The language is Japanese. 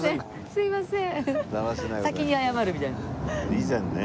「すいません」。